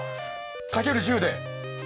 掛ける１０で。